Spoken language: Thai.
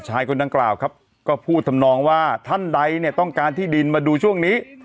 คนดังกล่าวครับก็พูดทำนองว่าท่านใดเนี่ยต้องการที่ดินมาดูช่วงนี้